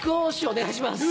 お願いします。